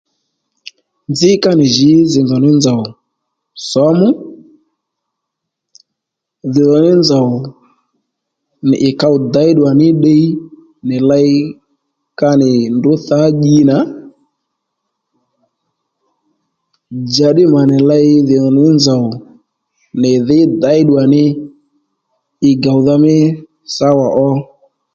Nzǐ ka nì jǐ dhì nzow ní nzòw sǒmú Dhì nzòw ní nzòw nì ì kǒw dě ddù wà ní ddiy nì ley ka nì ndrǔ thǎ dyi nà njàddí mà nì ley dhì nzòw ní nzòw nì dhǐ deyddù à ní ì gòwdha mí sáwà ó